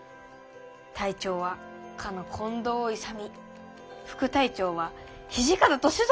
隊長は彼の近藤勇副隊長は土方歳三」。